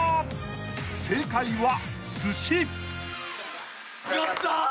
［正解は］